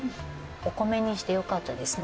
お米にしてよかったですね。